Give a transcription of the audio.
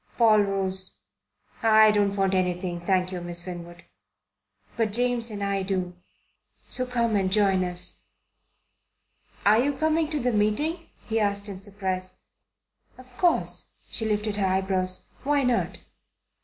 Paul rose. "I don't want anything, thank you, Miss Winwood." "But James and I do. So come and join us." "Are you coming to the meeting?" he asked in surprise. "Of course." She lifted her eyebrows. "Why not?"